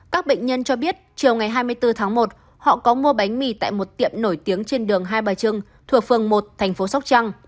các bệnh nhân cho biết chiều ngày hai mươi bốn tháng một họ có mua bánh mì tại một tiệm nổi tiếng trên đường hai bà trưng thuộc phường một thành phố sóc trăng